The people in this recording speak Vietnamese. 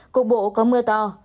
cục bộ có mưa to